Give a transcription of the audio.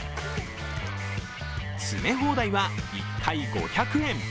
詰め放題は１回５００円。